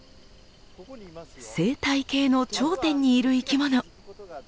生態系の頂点にいる生きもの。